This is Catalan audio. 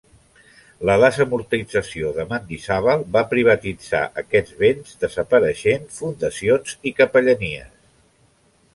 La desamortització de Mendizábal va privatitzar aquests béns, desapareixent fundacions i capellanies.